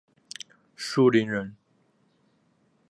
舒磷人。